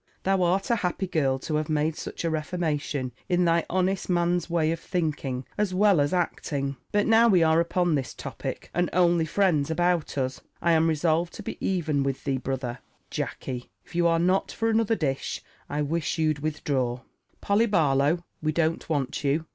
thou art a happy girl to have made such a reformation in thy honest man's way of thinking as well as acting. But now we are upon this topic, and only friends about us, I am resolved to be even with thee, brother Jackey, if you are not for another dish, I wish you'd withdraw. Polly Barlow, we don't want you.